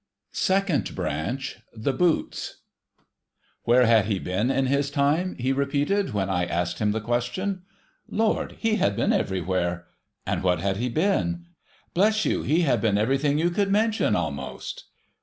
SECOND BRANCH THE BOOTS Where had he been in his time ? he repeated, when I asked him the question. Lord, he had been everywhere ! And what had he been? Bless you, he had been everything you could mention a'most